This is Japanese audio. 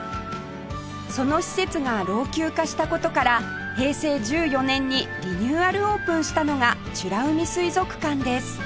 その施設が老朽化した事から平成１４年にリニューアルオープンしたのが美ら海水族館です